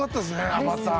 アバター。